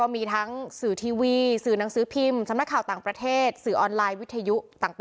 มีทั้งสื่อทีวีสื่อหนังสือพิมพ์สำนักข่าวต่างประเทศสื่อออนไลน์วิทยุต่าง